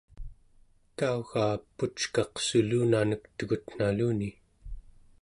kaugaa puckaq sulunanek tegutnaluni